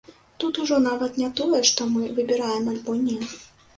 Тут ужо нават не тое, што мы выбіраем альбо не.